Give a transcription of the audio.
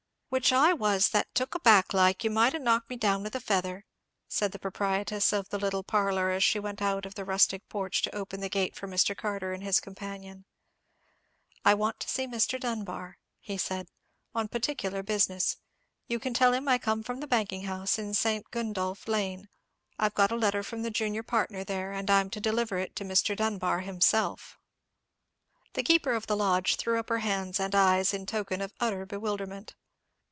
"Which I was that took aback like, you might have knocked me down with a feather," said the proprietress of the little parlour, as she went out of the rustic porch to open the gate for Mr. Carter and his companion. "I want to see Mr. Dunbar," he said, "on particular business. You can tell him I come from the banking house in St. Gundolph Lane. I've got a letter from the junior partner there, and I'm to deliver it to Mr. Dunbar himself!" The keeper of the lodge threw up her hands and eyes in token of utter bewilderment.